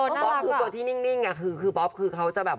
บ๊อบคือตัวที่นิ่งคือขนัวเจ้าเจ้าหน่อย